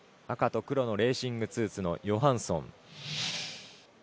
赤と黒のレーシングスーツのヨハンソン。